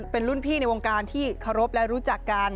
เป็นรุ่นพี่ในวงการที่เคารพและรู้จักกัน